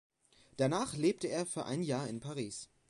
Danach lebte er für ein Jahr in Paris.